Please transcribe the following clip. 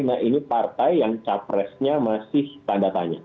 nah ini partai yang capresnya masih tanda tanya